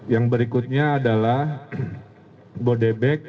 yang berikutnya adalah bodebek selalu satu frekuensi